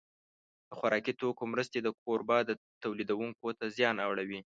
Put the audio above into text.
د خوراکي توکو مرستې د کوربه تولیدوونکو ته زیان اړوي.